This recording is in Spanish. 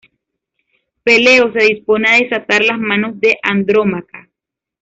Peleo se dispone a desatar las manos de Andrómaca.